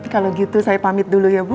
kalau gitu saya pamit dulu ya bu